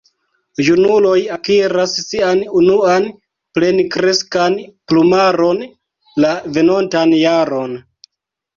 Junuloj akiras sian unuan plenkreskan plumaron la venontan jaron.